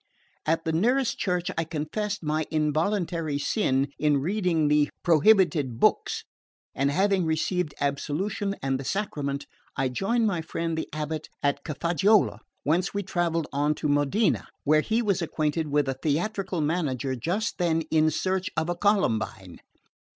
At the nearest church I confessed my involuntary sin in reading the prohibited books, and having received absolution and the sacrament, I joined my friend the abate at Cafaggiolo, whence we travelled to Modena, where he was acquainted with a theatrical manager just then in search of a Columbine.